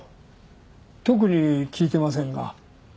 特に聞いてませんが。